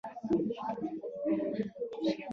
د دې ډلې مشر ایرل ګرې لومړی وزیر شو.